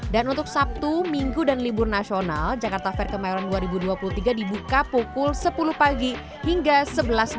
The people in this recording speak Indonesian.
dan untuk sabtu minggu dan libur nasional jakarta fair kemayoran dua ribu dua puluh tiga dibuka pukul sepuluh pagi hingga sebelas malam